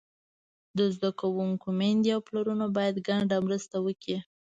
د زده کوونکو میندې او پلرونه باید ګډه مرسته وکړي.